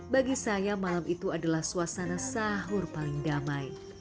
bagi saya malam itu adalah suasana sahur paling damai